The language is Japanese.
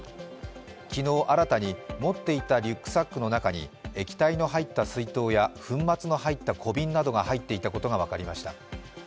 昨日、新たに、持っていたリュックサックの中に液体の入った水筒や粉末の入った小瓶などが入っていたことが分かりました。